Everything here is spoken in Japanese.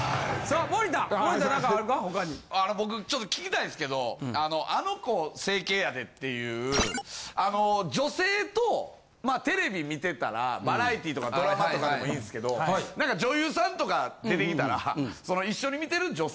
あの僕ちょっと聞きたいんですけどあのあの子整形やでっていうあの女性とまあテレビ観てたらバラエティーとかドラマとかでもいいんすけど何か女優さんとか出てきたら。